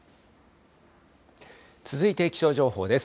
続いて気象情報です。